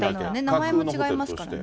名前も違いますからね。